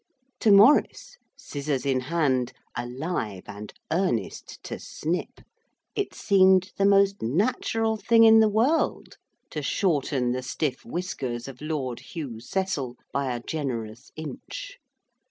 To Maurice, scissors in hand, alive and earnest to snip, it seemed the most natural thing in the world to shorten the stiff whiskers of Lord Hugh Cecil by a generous inch.